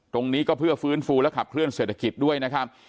ตรงนี้ก็เพื่อฟื้นฟูและขับเคลื่อเศรษฐกิจด้วยนะครับ